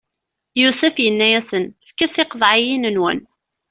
Yusef inna-yasen: Fket tiqeḍɛiyin-nwen!